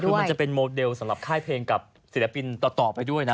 คือมันจะเป็นโมเดลสำหรับค่ายเพลงกับศิลปินต่อไปด้วยนะ